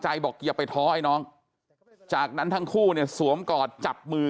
บอกอย่าไปท้อไอ้น้องจากนั้นทั้งคู่เนี่ยสวมกอดจับมือ